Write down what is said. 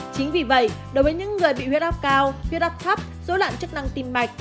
chính vì vậy đối với những người bị huyết áp cao huyết áp thấp dối loạn chức năng tim mạch